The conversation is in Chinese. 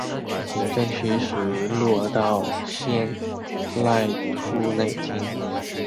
行政区属于鹿儿岛县濑户内町。